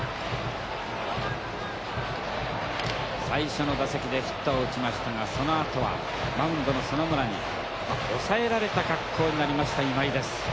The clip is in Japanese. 最初の打席でヒットを打ちましたがそのあとはマウンドの園村に抑えられた格好になりました今井です。